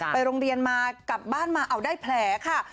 ไปโรงเรียนมากลับบ้านมาเอาได้แผลค่ะ